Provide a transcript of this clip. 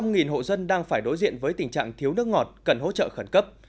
gần một trăm linh hộ dân đang phải đối diện với tình trạng thiếu nước ngọt cần hỗ trợ khẩn cấp